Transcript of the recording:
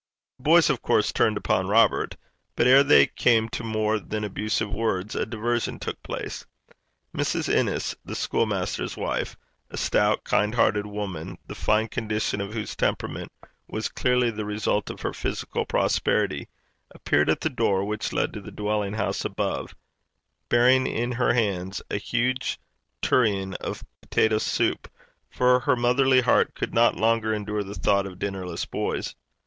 The boys of course turned upon Robert. But ere they came to more than abusive words a diversion took place. Mrs. Innes, the school master's wife a stout, kind hearted woman, the fine condition of whose temperament was clearly the result of her physical prosperity appeared at the door which led to the dwelling house above, bearing in her hands a huge tureen of potato soup, for her motherly heart could not longer endure the thought of dinnerless boys.